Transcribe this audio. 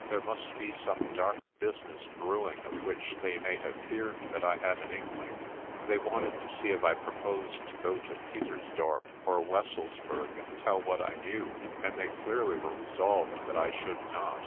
There must be some dark business brewing of which they may have feared that I had an inkling. They wanted to see if I proposed to go to Pieters dorp or Wesselsburg and tell what I knew, and they clearly were resolved that I should not.